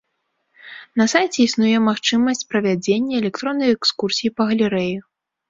На сайце існуе магчымасць правядзення электроннай экскурсіі па галерэі.